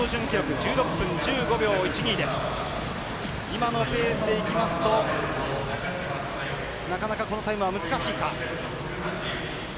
今のペースでいきますとなかなか、このタイムは難しいか。